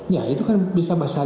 ya itu kan bisa saling bahasi juga